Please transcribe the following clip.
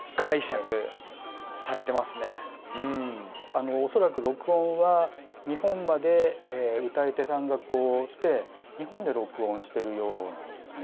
あの恐らく録音は日本まで歌い手さんが来て日本で録音してるようなんですね。